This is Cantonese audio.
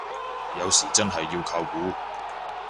有時真係要靠估